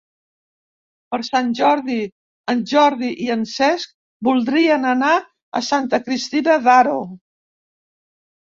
Per Sant Jordi en Jordi i en Cesc voldrien anar a Santa Cristina d'Aro.